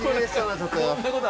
ちょっと。